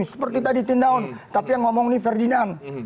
seperti tadi hitin daun tapi yang ngomong ini ferdinand